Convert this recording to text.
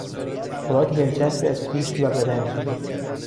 خوراک دلچسبی از گوشت و برنج